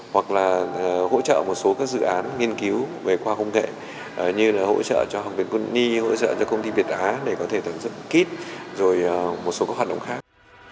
hoặc là hỗ trợ một số các dự án nghiên cứu về khoa học công nghệ như là hỗ trợ cho học viện cung ni hỗ trợ cho công ty việt á để có thể tận dụng kít rồi một số các hoạt động khác